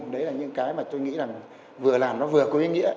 đấy là những cái mà tôi nghĩ là vừa làm nó vừa có ý nghĩa